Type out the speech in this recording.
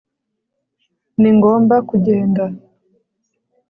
ningomba kugenda